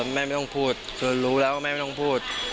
ไม่ต้องพูดคือรู้แล้วว่าแม่ไม่ต้องพูด